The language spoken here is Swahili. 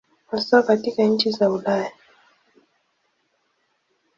Hasa katika nchi za Ulaya.